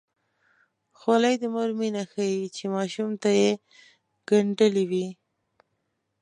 خولۍ د مور مینه ښيي چې ماشوم ته یې ګنډلې وي.